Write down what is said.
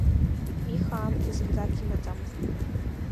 Миха аамҭа зынӡак имаӡамызт.